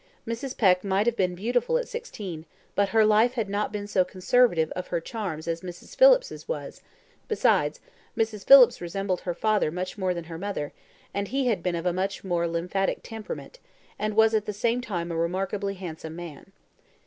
Mrs. Peck might have been beautiful at sixteen, but her life had not been so conservative of her charms as Mrs. Phillips's was; besides, Mrs. Phillips resembled her father much more than her mother, and he had been of a much more lymphatic temperament, and was at the same time a remarkably handsome man.